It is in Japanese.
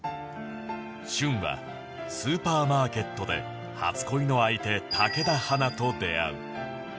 舜はスーパーマーケットで初恋の相手武田花と出会う